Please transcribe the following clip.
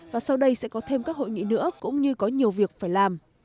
và sau đây sẽ có thêm các hội nghị nữa cũng như có nhiều việc phải làm